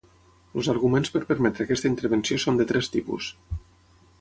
Els arguments per permetre aquesta intervenció són de tres tipus.